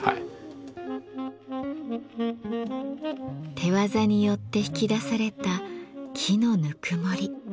手業によって引き出された木のぬくもり。